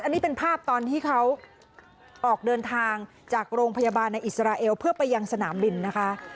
อันนี้เป็นภาพตอนที่เขาออกเดินทางจากโรงพยาบาลในอิสราเอลเพื่อไปยังสนามบินนะคะ